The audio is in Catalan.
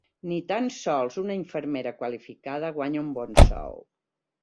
Ni tan sols una infermera qualificada guanya un bon sou.